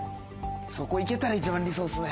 そこ行けたら一番理想っすね。